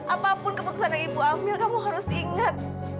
apapun keputusan yang ibu ambil kamu harus ingat